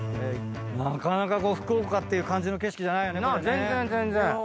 なかなか福岡っていう感じの景色じゃないよねこれね。